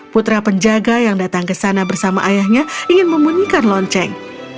putra penjaga yang datang ke sana bersama ayahnya ingin membunyikan lonceng